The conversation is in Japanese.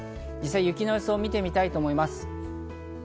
実際、雪の予想を見てみたいと思います。